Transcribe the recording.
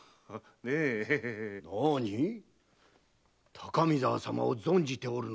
高見沢様を存じておるのか？